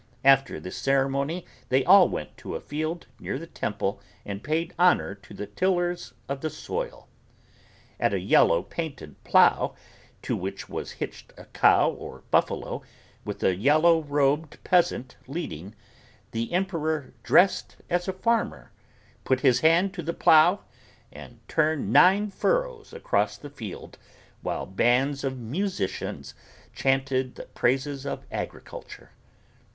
After this ceremony they all went to a field near the temple and paid honor to the tillers of the soil. At a yellow painted plow, to which was hitched a cow or buffalo, with a yellow robed peasant leading, the Emperor dressed as a farmer put his hand to the plow and turned nine furrows across the field while bands of musicians chanted the praises of agriculture.